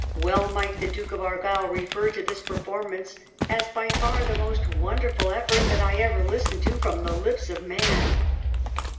Well might the Duke of Argyll refer to this performance as " by far the most wonderful effort that I ever listened to from the lips of man